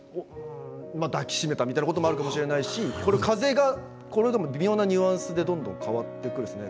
抱き締めたということもあるかもしれないし微妙なニュアンスでどんどん変わってくるんですね。